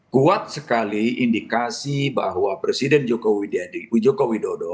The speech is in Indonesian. kuat sekali indikasi bahwa presiden joko widodo